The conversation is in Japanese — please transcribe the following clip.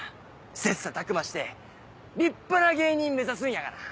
切磋琢磨して立派な芸人目指すんやがな！